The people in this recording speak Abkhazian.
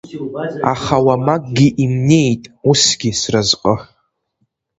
Аха уамакгьы имнеит усгьы сразҟы!